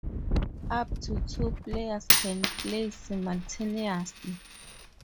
Up to two players can play simultaneously.